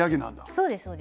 そうですそうです。